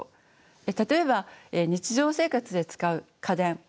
例えば日常生活で使う家電